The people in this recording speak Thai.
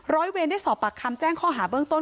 ร้อยเวรได้สอบปากคำแจ้งข้อหาเบื้องต้น